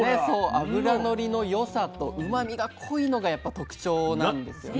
脂のりの良さとうまみが濃いのがやっぱ特徴なんですよね。